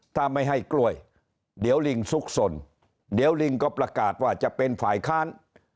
ถ้าไม่ให้กล้วยเดี๋ยวลิงซุกสนเดี๋ยวลิงก็ประกาศว่าจะเป็นฝ่ายค้าน